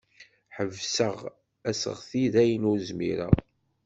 Ḥebseɣ aseɣti dayen ur zmireɣ.